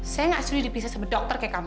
saya nggak setuju dipisah sama dokter kayak kamu